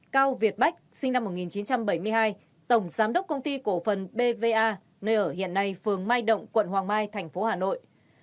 cao việt bách sinh năm một nghìn chín trăm bảy mươi hai tổng giám đốc công ty cổ phần bva nơi ở hiện nay phường mai động quận hoàng mai tp hà nội